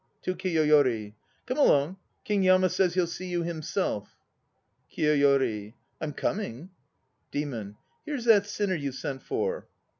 (To KIYOYORI.) Come along, King Yama says he'll see you himself. KIYOYORI. I'm coming. DEMON. Here's that sinner you sent for.